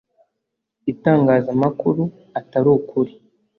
itangaza amakuru atari ukuri